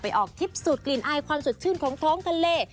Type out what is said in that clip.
ออกทิพย์สูตรกลิ่นอายความสดชื่นของท้องทะเล